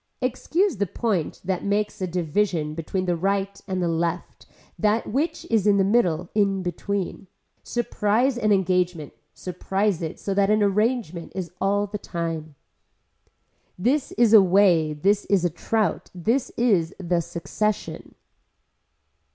Excuse the point that makes a division between the right and left that which is in the middle in between. Surprise an engagement, surprise it so that an agreement is all the time. This is a way, this is a trout, this is the succession.